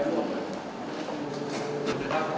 สวัสดีครับ